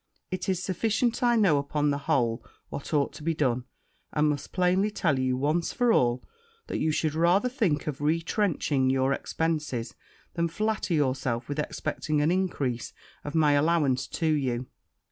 It is sufficient I know upon the whole what ought to be done; and must plainly tell you, once for all, that you should rather think of retrenching your expences, than flatter yourself with expecting an increase of my allowance to you.'